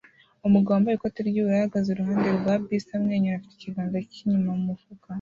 Umugabo wambaye ikoti ry'ubururu ahagaze iruhande rwa bisi amwenyura afite ikiganza cy'inyuma mu mufuka